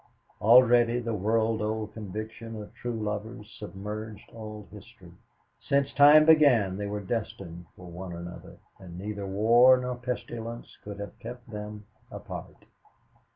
Already the world old conviction of true lovers submerged all history. Since time began they were destined for one another, and neither war nor pestilence could have kept them apart.